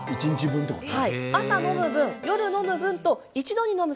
朝のむ分、夜のむ分と一度にのむ